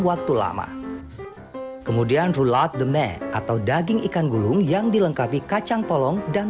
waktu lama kemudian rulat the ma atau daging ikan gulung yang dilengkapi kacang polong dan